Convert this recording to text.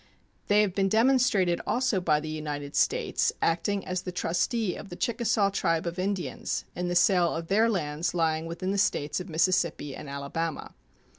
They have been demonstrated also by the United States acting as the trustee of the Chickasaw tribe of Indians in the sale of their lands lying within the States of Mississippi and Alabama.